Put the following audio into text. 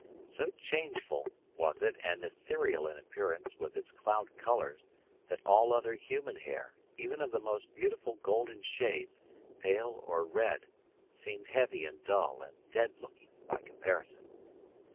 So changeful was it and ethereal in appearance with its cloud colours that all other human hair, even of the most beautiful golden shades, pale or red, seemed heavy and dull and dead looking by comparison.